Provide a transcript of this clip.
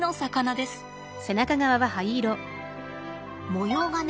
模様がね